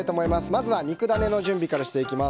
まずは肉ダネの準備からしていきます。